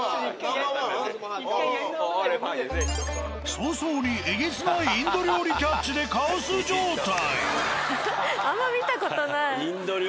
早々にえげつないインド料理キャッチでカオス状態。